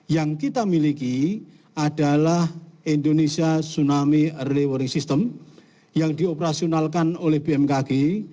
yang kita miliki adalah indonesia tsunami early warning system yang dioperasionalkan oleh bmkg